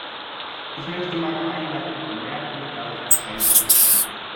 Ich möchte meine einleitenden Bemerkungen darauf beschränken.